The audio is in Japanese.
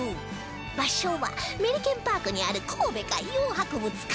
場所はメリケンパークにある神戸海洋博物館